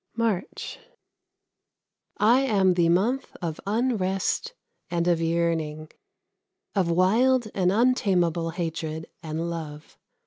MARCH. I am the month of unrest and of yearning, Of wild and untamable hatred and love.